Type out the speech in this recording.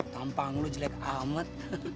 tampang lo jelek amat